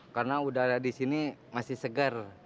karena udara di sini masih segar